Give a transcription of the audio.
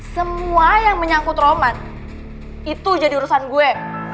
semua yang menyangkut roman itu jadi urusan gue